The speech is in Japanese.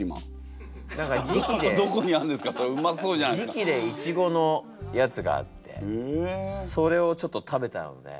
時期でイチゴのやつがあってそれをちょっと食べたので。